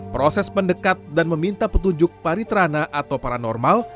proses mendekat dan meminta petunjuk paritrana atau paranormal